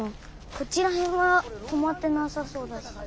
こっちら辺はとまってなさそうだし。